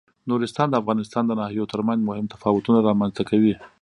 نورستان د افغانستان د ناحیو ترمنځ مهم تفاوتونه رامنځ ته کوي.